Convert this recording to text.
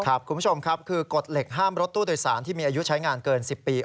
คุณผู้ชมครับคือกฎเหล็กห้ามรถตู้โดยสารที่มีอายุใช้งานเกิน๑๐ปี